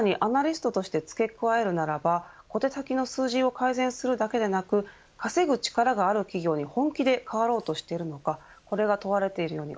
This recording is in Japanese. さらにアナリストとして付け加えるならば小手先の数字を改善するだけではなく稼ぐ力がある企業に、本気で変わろうとしているのかこれが問われているように